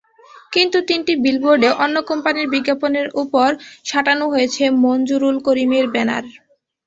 কিন্তু তিনটি বিলবোর্ডে অন্য কোম্পানির বিজ্ঞাপনের ওপর সাঁটানো হয়েছে মঞ্জুরুল করিমের ব্যানার।